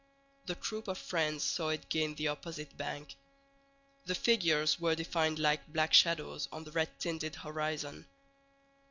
The troop of friends saw it gain the opposite bank; the figures were defined like black shadows on the red tinted horizon.